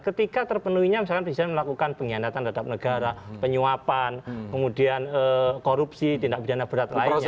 ketika terpenuhinya misalkan presiden melakukan pengkhianatan terhadap negara penyuapan kemudian korupsi tindak pidana berat lainnya